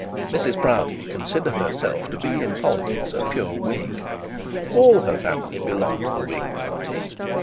Mrs Proudie considered herself to be in politics a pure Whig; all her family belonged to the Whig party.